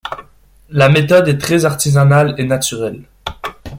La méthode est très artisanale et naturelle.